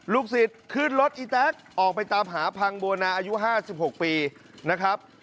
สิทธิ์ขึ้นรถอีแต๊กออกไปตามหาพังบัวนาอายุ๕๖ปีนะครับ